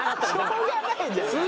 しょうがないじゃない。